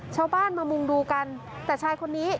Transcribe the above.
ชาวบ้านมามุงดูกันแต่ชายคนนี้